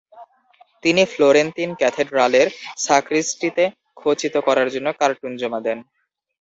তিনি ফ্লোরেন্তিন ক্যাথেড্রালের সাক্রিস্টিতে খচিত করার জন্য কার্টুন জমা দেন।